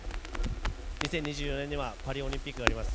２０２４年にはパリオリンピックがあります。